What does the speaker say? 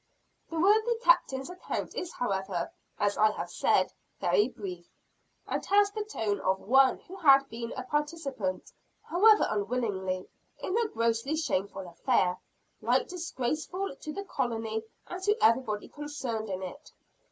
The worthy Captain's account is however, as I have said, very brief and has the tone of one who had been a participant, however unwillingly, in a grossly shameful affair, alike disgraceful to the colony and to everybody concerned in it.